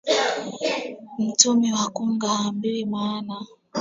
Mtumi wa kunga haambiwi maana